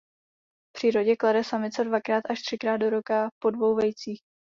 V přírodě klade samice dvakrát až třikrát do roka po dvou vejcích.